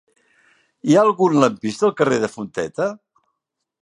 Hi ha algun lampista al carrer de Fonteta?